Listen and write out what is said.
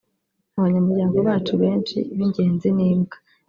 “Abanyamuryango bacu benshi b’ ingenzi ni imbwa